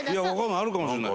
あるかもしれない。